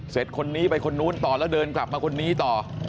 คนนี้ไปคนนู้นต่อแล้วเดินกลับมาคนนี้ต่อ